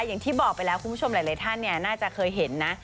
ย่างที่บอกไปแล้วที่คุณผู้ชมคนเนี่ยจะเคยเห็นน่ะ